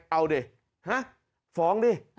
เอาดิฟ้องดิ